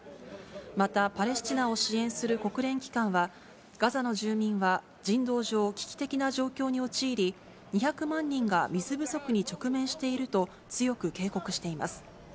またパレスチナを支援する国連機関は、ガザの住民は人道上、危機的な状況に陥り、２００万人が水不足に直面していると強く警告しています。